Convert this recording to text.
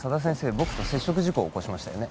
僕と接触事故を起こしましたよね